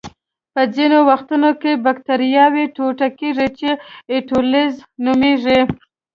په ځینو وختونو کې بکټریاوې ټوټه کیږي چې اټولیزس نومېږي.